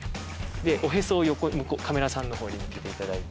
おへそを横カメラさんのほうに向けていただいて。